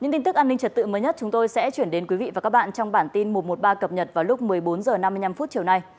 tôi sẽ chuyển đến quý vị và các bạn trong bản tin một trăm một mươi ba cập nhật vào lúc một mươi bốn h năm mươi năm chiều nay